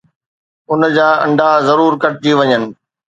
ان جا انڊا ضرور ڪٽجي وڃن.